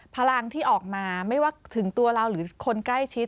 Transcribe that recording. พลังที่ออกมาไม่ว่าถึงตัวเราหรือคนใกล้ชิด